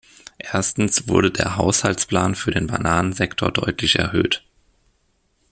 Erstens wurde der Haushaltsplan für den Bananensektor deutlich erhöht.